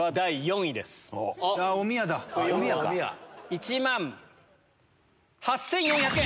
１万８４００円。